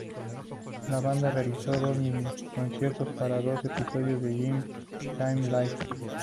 La banda realizó dos mini-conciertos para dos episodios de Jimmy Kimmel Live!